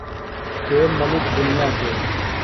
شعیب ملک دنیا کے